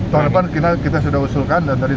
tahun depan kita sudah usulkan dan tadi